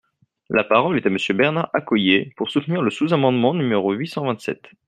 La parole est Monsieur Bernard Accoyer, pour soutenir le sous-amendement numéro huit cent vingt-sept.